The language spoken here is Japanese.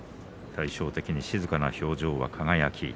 対照的に静かな表情、輝。